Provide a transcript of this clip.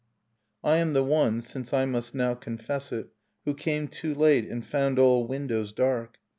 I am the one — since I must now confess it — Who came too late, and found all windows dark.